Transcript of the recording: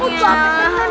udah capek bener